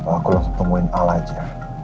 atau aku langsung nemuin ala aja